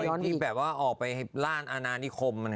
ที่แบบว่าออกไปล่านอาณานิคม